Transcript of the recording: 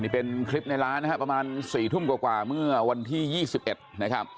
นี้เป็นคริปในร้านประมาณ๔ทุ่มเมื่อวันที่๒๑